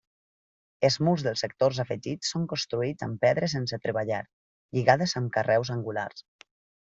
Els murs dels sectors afegits són construïts amb pedres sense treballar, lligades amb carreus angulars.